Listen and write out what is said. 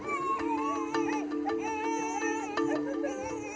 dia juga baik